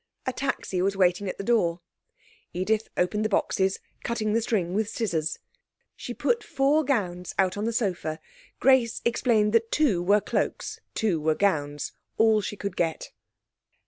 A taxi was waiting at the door. Edith opened the boxes, cutting the string with scissors. She put four gowns out on the sofa. Grace explained that two were cloaks, two were gowns all she could get.